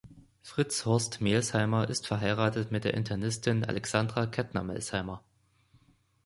Fritz Horst Melsheimer ist verheiratet mit der Internistin Alexandra Kettner-Melsheimer.